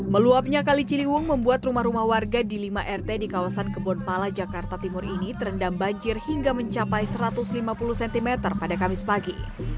meluapnya kali ciliwung membuat rumah rumah warga di lima rt di kawasan kebonpala jakarta timur ini terendam banjir hingga mencapai satu ratus lima puluh cm pada kamis pagi